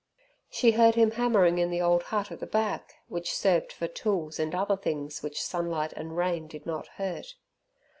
She heard him hammering in the old hut at the back, which served for tools and other things which sunlight and rain did not hurt.